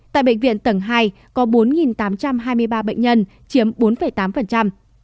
tại bệnh viện tầng hai có bốn tám trăm hai mươi ba bệnh nhân chiếm bốn tám còn lại bệnh viện tầng ba là năm trăm linh ba ca chiếm năm